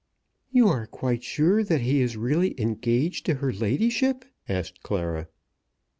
"You are quite sure that he is really engaged to her ladyship?" asked Clara.